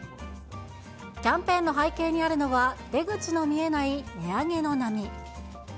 キャンペーンの背景にあるのは、出口の見えない値上げの波。